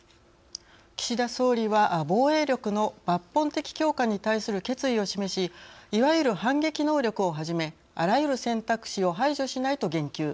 岸田総理は防衛力の抜本的強化に対する決意を示し「いわゆる反撃能力をはじめあらゆる選択肢を排除しない」と言及。